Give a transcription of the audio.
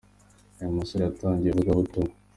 Uyu musore yatangiye ivugabutumwa